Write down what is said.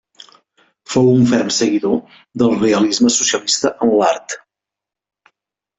Fou un ferm seguidor del realisme socialista en l'art.